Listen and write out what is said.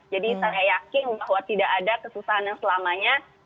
jadi saya yakin bahwa tidak ada kesusahan yang selamanya